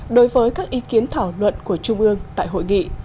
đối với các ý kiến thảo luận của trung ương tại hội nghị